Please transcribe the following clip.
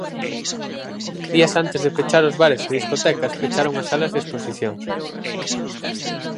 Días antes de pechar os bares e discotecas pecharon as salas de exposicións.